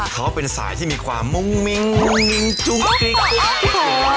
เขาเป็นสายที่มีความมุ่งมิ้งมุ่งมิ้งจุงกิ๊ก